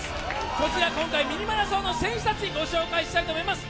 こちら今回、「ミニマラソン」の選手たちご紹介したいと思います。